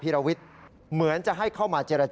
เพราะถูกทำร้ายเหมือนการบาดเจ็บเนื้อตัวมีแผลถลอก